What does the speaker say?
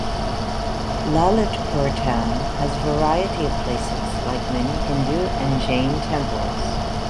Lalitpur town has variety of places like many Hindu and Jain temples.